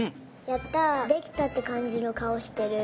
やったできたってかんじのかおしてる。